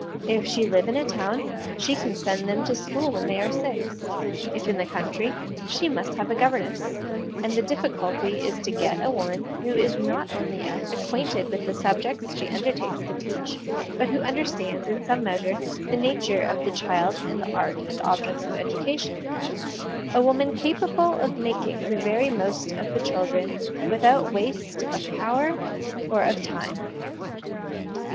If she live in a town, she can send them to school when they are six ; if in the country, she must have a governess ; and the difficulty is to get a woman who is not only acquainted with the subjects she undertakes to teach, but who understands in some measure the nature of the child and the art and objects of education ; a woman capable of making the very most of the children without waste of power or ot LESSONS AS INSTRUMENTS OF EDUCATION I? I time.